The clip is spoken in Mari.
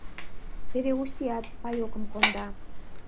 Теве Устиат паёкым конда.